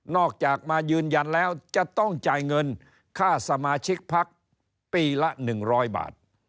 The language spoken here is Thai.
จากมายืนยันแล้วจะต้องจ่ายเงินค่าสมาชิกพักปีละ๑๐๐บาท